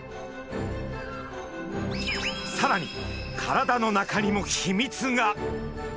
さらに体の中にも秘密が！